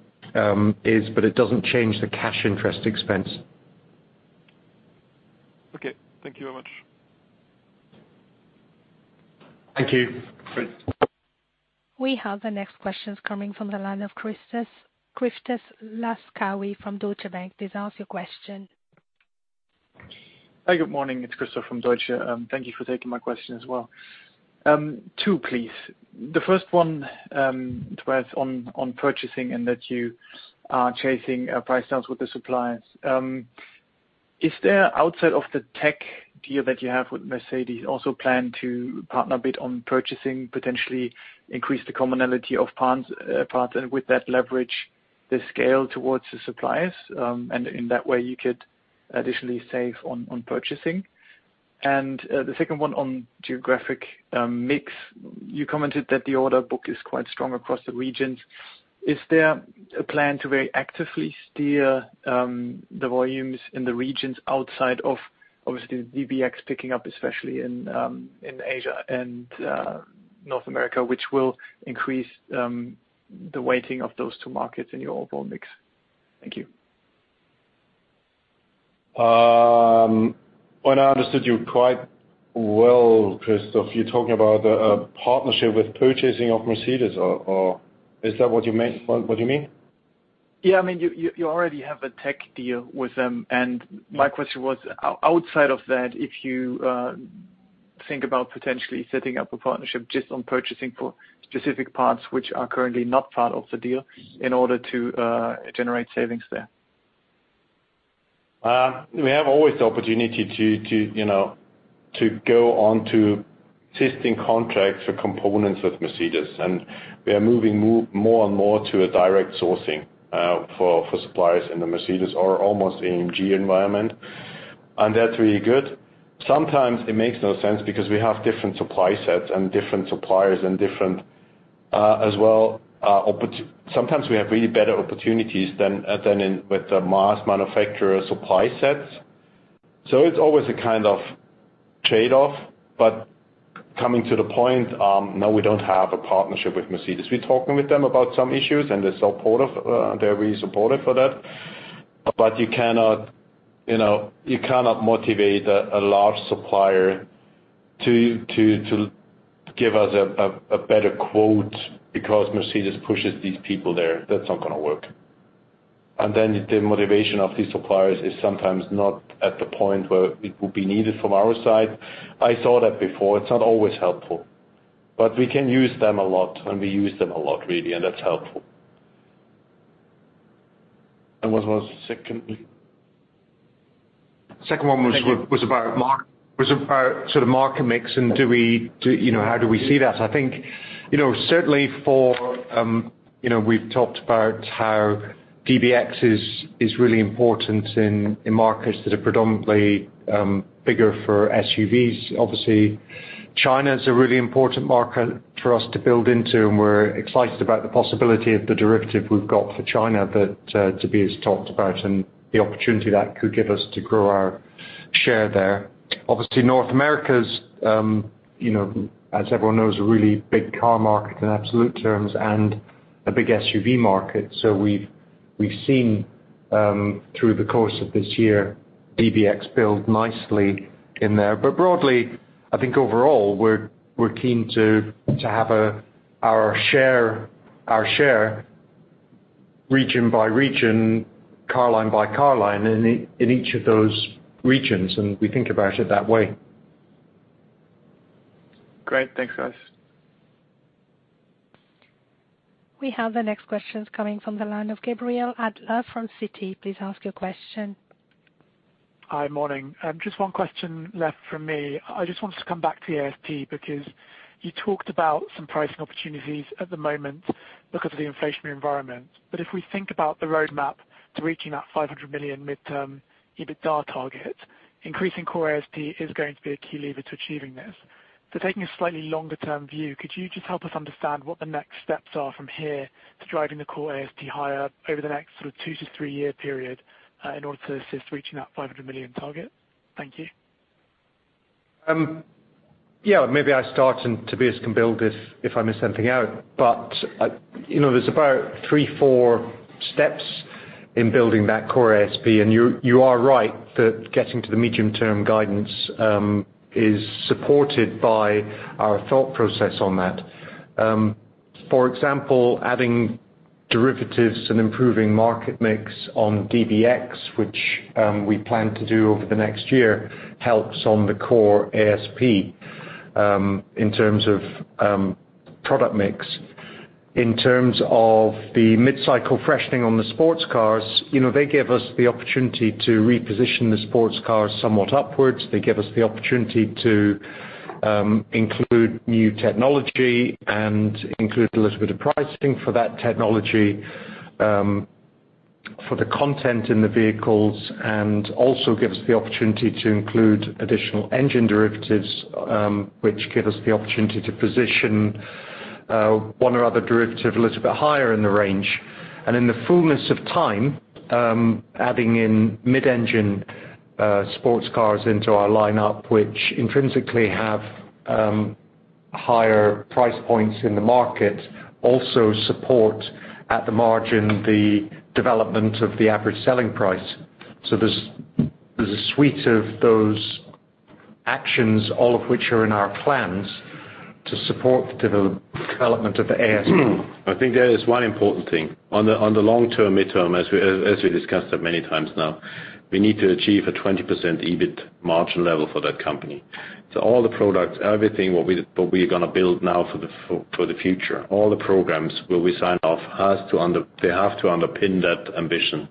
is, but it doesn't change the cash interest expense. Okay. Thank you very much. Thank you. We have the next questions coming from the line of Christoph Laskawi from Deutsche Bank. Please ask your question. Hi, good morning. It's Christoph Laskawi from Deutsche Bank. Thank you for taking my question as well. Two, please. The first one, it was on purchasing and that you are chasing price downs with the suppliers. Is there outside of the tech deal that you have with Mercedes also plan to partner a bit on purchasing, potentially increase the commonality of parts and with that leverage the scale towards the suppliers, and in that way you could additionally save on purchasing? The second one on geographic mix. You commented that the order book is quite strong across the regions. Is there a plan to very actively steer the volumes in the regions outside of obviously the DBX picking up, especially in Asia and North America, which will increase the weighting of those two markets in your overall mix? Thank you. When I understood you quite well, Christoph, you're talking about a partnership with purchasing of Mercedes or is that what you mean? Yeah. I mean, you already have a tech deal with them. My question was outside of that, if you think about potentially setting up a partnership just on purchasing for specific parts which are currently not part of the deal in order to generate savings there. We have always the opportunity to, you know, to go on to existing contracts or components with Mercedes, and we are moving more and more to a direct sourcing for suppliers in the Mercedes or almost AMG environment, and that's really good. Sometimes it makes no sense because we have different supply sets and different suppliers and different as well. Sometimes we have really better opportunities than in with the mass manufacturer supply sets. It's always a kind of trade-off. Coming to the point, no, we don't have a partnership with Mercedes. We're talking with them about some issues, and they're supportive. They're really supportive for that. You cannot, you know, motivate a large supplier to give us a better quote because Mercedes pushes these people there. That's not gonna work. Then the motivation of these suppliers is sometimes not at the point where it would be needed from our side. I saw that before. It's not always helpful. We can use them a lot, and we use them a lot really, and that's helpful. What was secondly? Second one was- Thank you. was about market, was about sort of market mix and do we, you know, how do we see that? I think, you know, certainly for, you know, we've talked about how DBX is really important in markets that are predominantly bigger for SUVs. Obviously, China's a really important market for us to build into, and we're excited about the possibility of the derivative we've got for China that Tobias talked about and the opportunity that could give us to grow our share there. Obviously, North America's, you know, as everyone knows, a really big car market in absolute terms and a big SUV market. So we've seen through the course of this year, DBX build nicely in there. Broadly, I think overall, we're keen to have our share region by region, car line by car line in each of those regions, and we think about it that way. Great. Thanks, guys. We have the next questions coming from the line of Gabriel Adler from Citi. Please ask your question. Hi. Morning. Just one question left from me. I just wanted to come back to ASP because you talked about some pricing opportunities at the moment because of the inflationary environment. If we think about the roadmap to reaching that 500 million midterm EBITDA target, increasing core ASP is going to be a key lever to achieving this. Taking a slightly longer term view, could you just help us understand what the next steps are from here to driving the core ASP higher over the next sort of 2-3-year period, in order to assist reaching that 500 million target? Thank you. Yeah, maybe I start and Tobias can build if I miss something out. I, you know, there's about 3-4 steps in building that core ASP, and you are right that getting to the medium-term guidance is supported by our thought process on that. For example, adding derivatives and improving market mix on DBX, which we plan to do over the next year, helps on the core ASP in terms of product mix. In terms of the mid-cycle freshening on the sports cars, you know, they give us the opportunity to reposition the sports cars somewhat upwards. They give us the opportunity to include new technology and include a little bit of pricing for that technology for the content in the vehicles, and also gives the opportunity to include additional engine derivatives, which give us the opportunity to position one or other derivative a little bit higher in the range. In the fullness of time, adding in mid-engine sports cars into our lineup, which intrinsically have higher price points in the market also support at the margin, the development of the average selling price. There's a suite of those actions, all of which are in our plans to support the development of the ASP. I think there is one important thing. On the long-term, midterm, as we discussed it many times now, we need to achieve a 20% EBIT margin level for that company. All the products, everything, what we are gonna build now for the future, all the programs where we sign off has to under-- they have to underpin that ambition.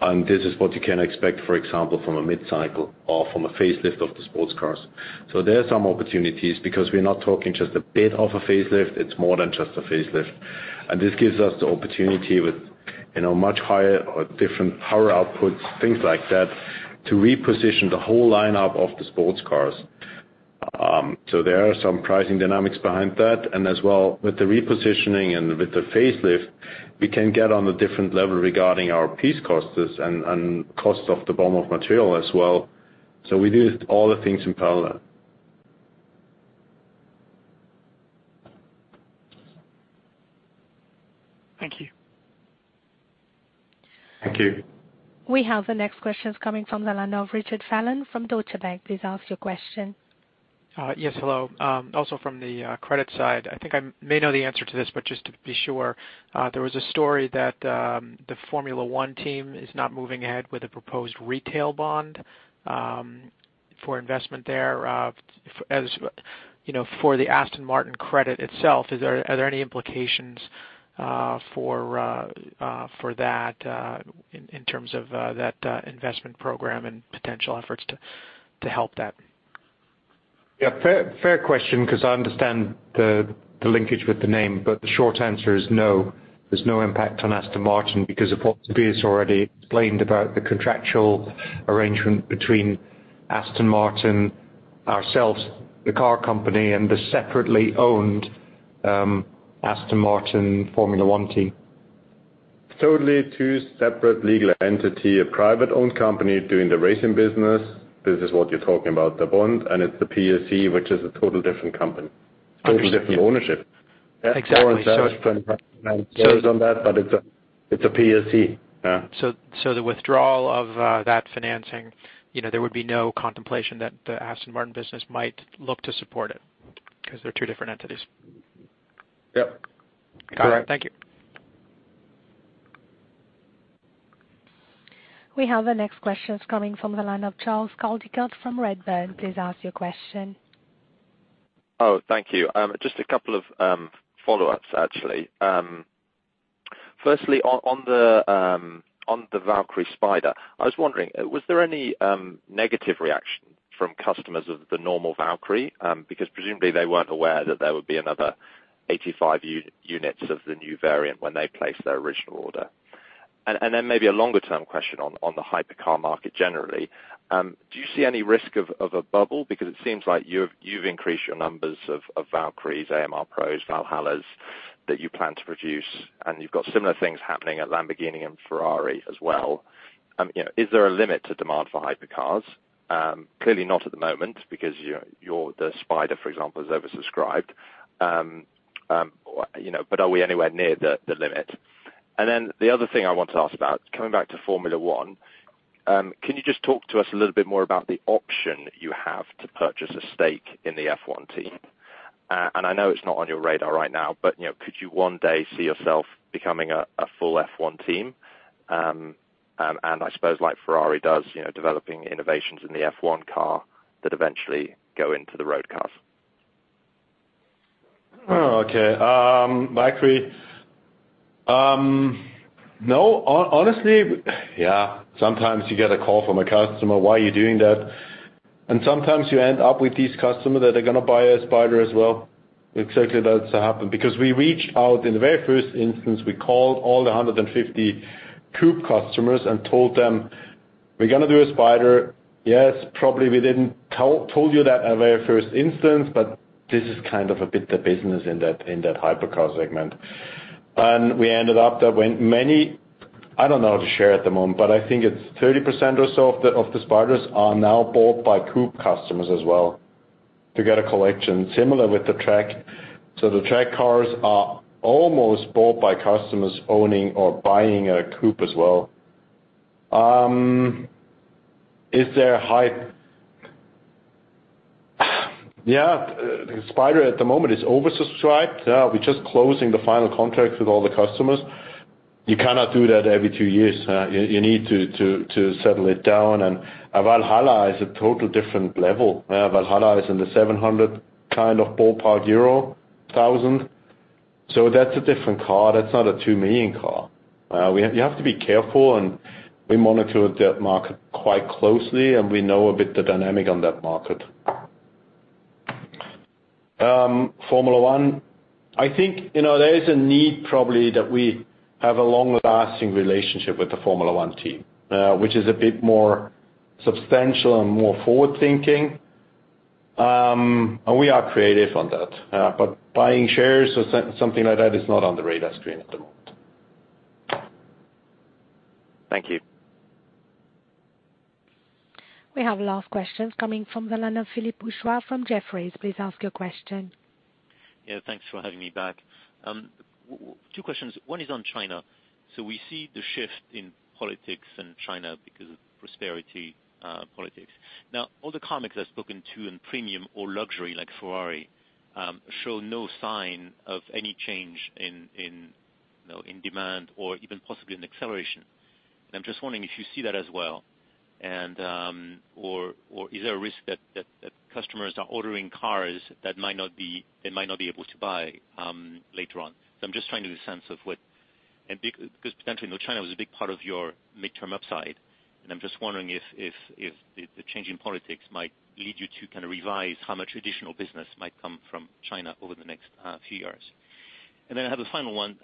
This is what you can expect, for example, from a mid-cycle or from a facelift of the sports cars. There are some opportunities because we're not talking just a bit of a facelift, it's more than just a facelift. This gives us the opportunity with, you know, much higher or different power outputs, things like that, to reposition the whole lineup of the sports cars. There are some pricing dynamics behind that. As well, with the repositioning and with the facelift, we can get on a different level regarding our piece costs and costs of the bill of material as well. We do all the things in parallel. Thank you. Thank you. We have the next question coming from the line of Richard Fallon from Deutsche Bank. Please ask your question. Yes, hello. Also from the credit side. I think I may know the answer to this, but just to be sure, there was a story that the Formula One team is not moving ahead with a proposed retail bond for investment there. As you know, for the Aston Martin credit itself, are there any implications for that in terms of that investment program and potential efforts to help that? Yeah, fair question, 'cause I understand the linkage with the name, but the short answer is no. There's no impact on Aston Martin because of what Tobias already explained about the contractual arrangement between Aston Martin, ourselves, the car company, and the separately owned Aston Martin Formula One team. Totally two separate legal entities, a privately owned company doing the racing business. This is what you're talking about, the bond, and it's the PLC, which is a totally different company. Thank you. Totally different ownership. Exactly. on that, it's a PLC. Yeah. The withdrawal of that financing, you know, there would be no contemplation that the Aston Martin business might look to support it 'cause they're two different entities. Yep. Correct. Got it. Thank you. We have the next question coming from the line of Charles Coldicott from Redburn. Please ask your question. Oh, thank you. Just a couple of follow-ups, actually. Firstly, on the Valkyrie Spider, I was wondering, was there any negative reaction from customers of the normal Valkyrie? Because presumably they weren't aware that there would be another 85 units of the new variant when they placed their original order. Then maybe a longer-term question on the hypercar market generally, do you see any risk of a bubble? Because it seems like you've increased your numbers of Valkyries, AMR Pros, Valhallas that you plan to produce, and you've got similar things happening at Lamborghini and Ferrari as well. You know, is there a limit to demand for hypercars? Clearly not at the moment because the Spider, for example, is oversubscribed. You know, are we anywhere near the limit? The other thing I want to ask about, coming back to Formula One, can you just talk to us a little bit more about the option you have to purchase a stake in the F1 team? I know it's not on your radar right now, but you know, could you one day see yourself becoming a full F1 team? I suppose like Ferrari does, you know, developing innovations in the F1 car that eventually go into the road cars. Okay. Valkyrie. No. Honestly, yeah, sometimes you get a call from a customer, "Why are you doing that?" Sometimes you end up with these customers that are gonna buy a Spider as well. Exactly, that's happened. Because we reached out, in the very first instance, we called all the 150 coupe customers and told them, "We're gonna do a Spider. Yes, probably we didn't tell you that at very first instance, but this is kind of a bit the business in that hypercar segment." We ended up that when many, I don't know the share at the moment, but I think it's 30% or so of the Spiders are now bought by coupe customers as well to get a collection. Similar with the track. The track cars are almost bought by customers owning or buying a coupe as well. Is there hype? Yeah, the Spider at the moment is oversubscribed. We're just closing the final contracts with all the customers. You cannot do that every two years. You need to settle it down. A Valhalla is a total different level. Yeah. Valhalla is in the 700 kind of ballpark euro thousand. That's a different car. That's not a 2 million car. You have to be careful, and we monitor that market quite closely, and we know a bit the dynamic on that market. Formula One, I think, you know, there is a need probably that we have a long-lasting relationship with the Formula One team, which is a bit more substantial and more forward-thinking. We are creative on that. Buying shares or something like that is not on the radar screen at the moment. Thank you. We have last questions coming from the line of Philippe Houchois from Jefferies. Please ask your question. Yeah, thanks for having me back. Two questions. One is on China. We see the shift in politics in China because of prosperity politics. Now, all the companies I've spoken to in premium or luxury like Ferrari show no sign of any change in, you know, demand or even possibly an acceleration. I'm just wondering if you see that as well, or is there a risk that customers are ordering cars that might not be, they might not be able to buy later on? I'm just trying to get a sense of what... 'Cause potentially, you know, China was a big part of your midterm upside, and I'm just wondering if the change in politics might lead you to kinda revise how much traditional business might come from China over the next few years. Then I have a final one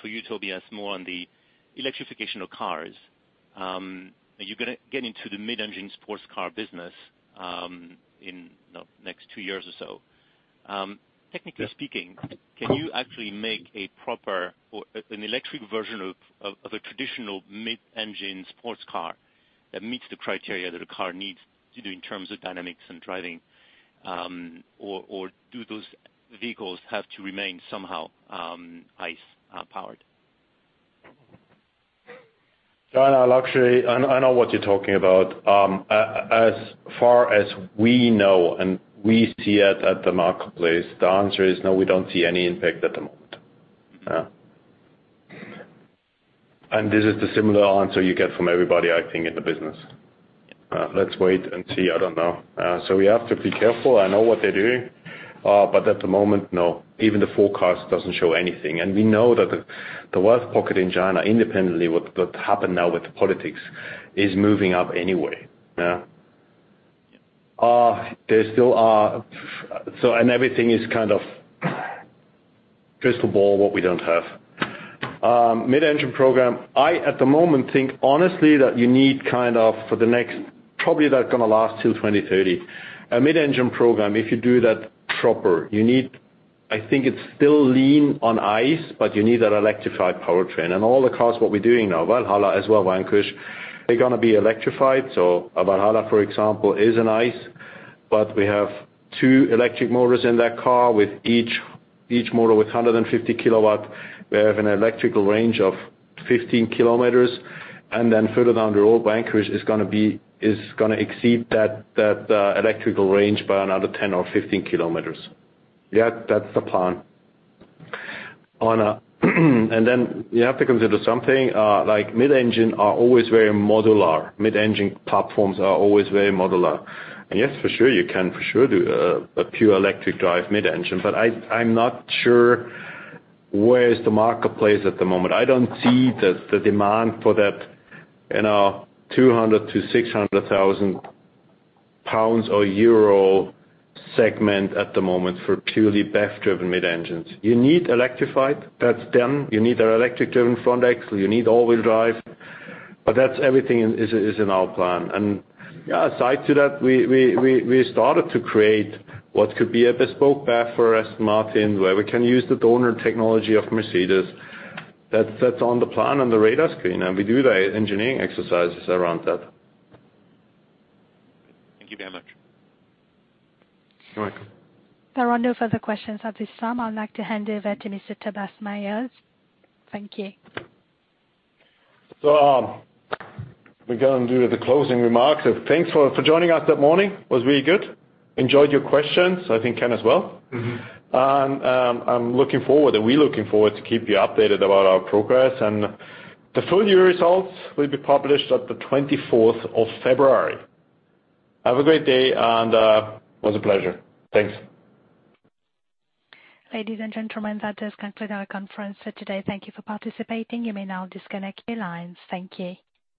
for you, Tobias, more on the electrification of cars. Are you gonna get into the mid-engine sports car business, in you know next two years or so? Technically speaking Yes. Can you actually make a proper or an electric version of a traditional mid-engine sports car that meets the criteria that a car needs to do in terms of dynamics and driving, or do those vehicles have to remain somehow ICE powered? China luxury, I know what you're talking about. As far as we know and we see it at the marketplace, the answer is no, we don't see any impact at the moment. Yeah. This is the similar answer you get from everybody, I think, in the business. Let's wait and see. I don't know. We have to be careful. I know what they're doing, but at the moment, no. Even the forecast doesn't show anything. We know that the worst pocket in China, independently what happened now with the politics, is moving up anyway. Yeah. There still are, and everything is kind of crystal ball what we don't have. Mid-engine program, at the moment, I think honestly that you need kind of, for the next, probably that gonna last till 2030. A mid-engine program, if you do that proper, you need. I think it's still lean on ICE, but you need that electrified powertrain. All the cars what we're doing now, Valhalla as well, Vanquish, they're gonna be electrified. A Valhalla, for example, is an ICE, but we have two electric motors in that car with each motor with 150 kilowatt. We have an electrical range of 15 kilometers, and then further down the road, Vanquish is gonna exceed that electrical range by another 10 or 15 kilometers. Yeah, that's the plan. On a and then you have to consider something like mid-engine platforms are always very modular. Yes, for sure, you can do a pure electric drive mid-engine, but I'm not sure where is the marketplace at the moment. I don't see the demand for that in our 200,000-600,000 pounds or EUR segment at the moment for purely BEV-driven mid-engines. You need electrified, that's done. You need our electric-driven front axle. You need all-wheel drive. That's everything is in our plan. Yeah, aside to that, we started to create what could be a bespoke BEV for Aston Martin, where we can use the donor technology of Mercedes. That's on the plan, on the radar screen, and we do the engineering exercises around that. Thank you very much. You're welcome. There are no further questions at this time. I'd like to hand over to Mr. Tobias Moers. Thank you. We're gonna do the closing remarks. Thanks for joining us that morning. It was really good. Enjoyed your questions. I think Ken as well. Mm-hmm. I'm looking forward, and we're looking forward to keep you updated about our progress. The full year results will be published at the February, 24. Have a great day, and it was a pleasure. Thanks. Ladies and gentlemen, that does conclude our conference for today. Thank you for participating. You may now disconnect your lines. Thank you.